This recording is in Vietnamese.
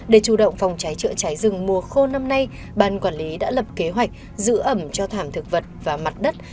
để chủ động phòng cháy chữa cháy rừng mùa khô năm nay ban quản lý đã lập kế hoạch giữ ẩm cho thảm thực vật và mặt đất